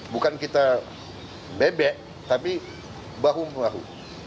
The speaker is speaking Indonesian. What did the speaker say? bukan kita bebek tapi bahu membahu